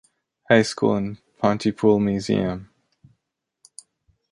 High School and Pontypool Museum.